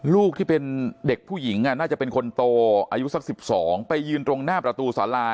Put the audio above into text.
ลูกที่เป็นเด็กผู้หญิงน่าจะเป็นคนโตอายุสัก๑๒ไปยืนตรงหน้าประตูสารา